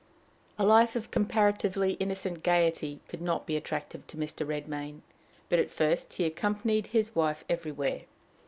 A life of comparatively innocent gayety could not be attractive to Mr. Redmain, but at first he accompanied his wife everywhere.